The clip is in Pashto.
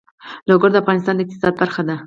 لوگر د افغانستان د اقتصاد برخه ده.